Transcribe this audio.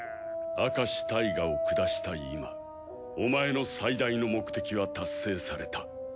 明石タイガを下した今お前の最大の目的は達成された。